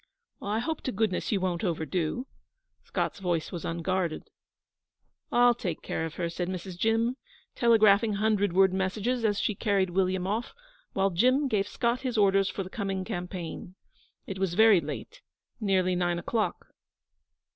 'I hope to goodness you won't overdo.' Scott's voice was unguarded. 'I'll take care of her,' said Mrs. Jim, telegraphing hundred word messages as she carried William off, while Jim gave Scott his orders for the coming campaign. It was very late nearly nine o'clock.